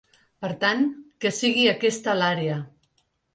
Per tant, que sigui aquesta l’àrea.